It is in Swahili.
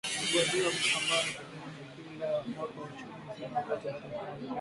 Ripoti hiyo ambayo ni tathmini ya kila mwaka ya uchumi ilisema pato la taifa la Uganda